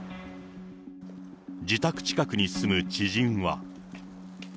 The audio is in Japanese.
自宅近くに住む知人は。